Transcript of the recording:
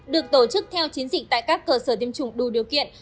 được tổ chức theo chiến dịch tại các cơ sở tiêm chủng đủ điều kiện